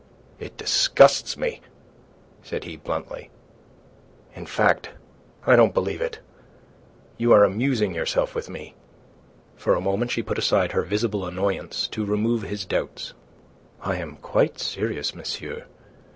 "It disgusts me," said he, bluntly. "In fact, I don't believe it. You are amusing yourself with me." For a moment she put aside her visible annoyance to remove his doubts. "I am quite serious, monsieur.